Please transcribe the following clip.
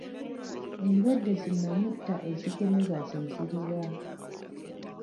Endwadde zi nnamutta ezigemeka ze ziriwa?